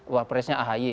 wah presnya ahi